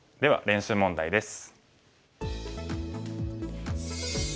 練習問題です。